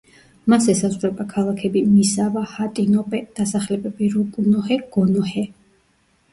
მას ესაზღვრება ქალაქები მისავა, ჰატინოჰე, დასახლებები როკუნოჰე, გონოჰე.